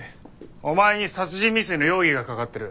お前に殺人未遂の容疑がかかってる。